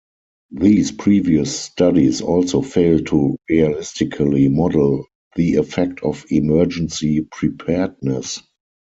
These previous studies also failed to realistically model the effect of emergency preparedness.